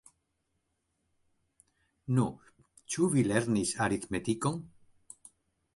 Nu, ĉu vi lernis aritmetikon?